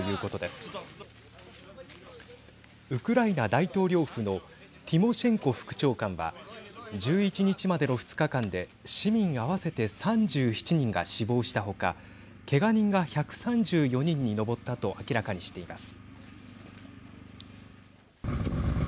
大統領府のティモシェンコ副長官は１１日までの２日間で市民、合わせて３７人が死亡した他、けが人が１３４人に上ったと明らかにしています。